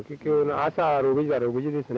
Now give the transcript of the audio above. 朝６時６時ですね。